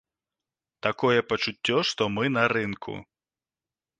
Такое пачуццё, што мы на рынку.